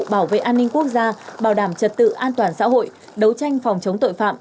bảo vệ an ninh quốc gia bảo đảm trật tự an toàn xã hội đấu tranh phòng chống tội phạm